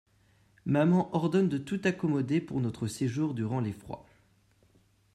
Maman ordonne de tout accommoder pour notre séjour durant les froids.